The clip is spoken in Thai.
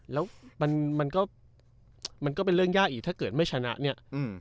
แล้วมันมันก็มันก็เป็นเรื่องยากอีกถ้าเกิดไม่ชนะเนี่ย